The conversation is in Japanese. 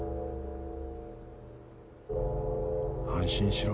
安心しろ。